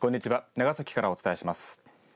長崎からお伝えします。